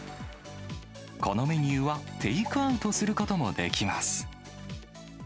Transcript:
このメニューはテイクアウトすることもできます。